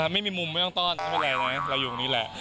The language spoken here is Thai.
ไม่มีมุมไม่ต้องต้อนไม่เป็นไรเราอยู่ตรงนี้แหละ